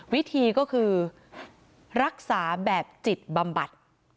วิธีก็คือรักษาแบบจิตบำบัด